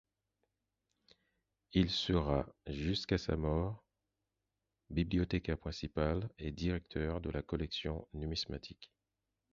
Il sera jusqu'à sa mort bibliothécaire principal et directeur de la collection numismatique.